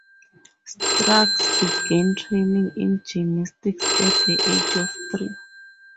Strug began training in gymnastics at the age of three.